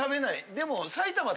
でも。